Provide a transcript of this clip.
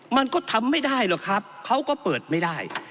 มันก็ทำไม่ได้หรอกครับเขาก็เปิดไม่ได้